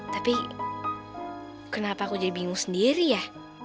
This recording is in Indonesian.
tapi kenapa aku jadi bingung sendiri ya